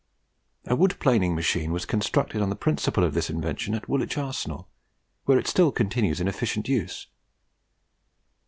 A wood planing machine was constructed on the principle of this invention at Woolwich Arsenal, where it still continues in efficient use.